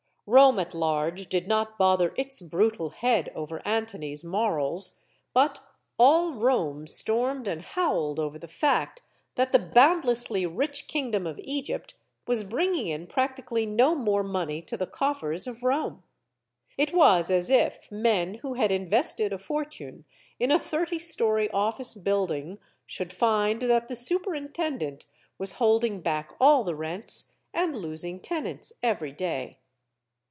Rome at large did not bother its brutal head over Antony's morals. But all Rome stormed and howled over the fact that the boundlessly rich kingdom of Egypt was CLEOPATRA 151 bringing in practically no more money to the coffers of Rome. It was as if men who had invested a fortune in a thirty story office building should find that the superintendent was holding back all the rents and losing tenants every day.